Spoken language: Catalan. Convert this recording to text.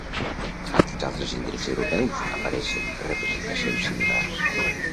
A quins altres indrets europeus apareixen representacions similars?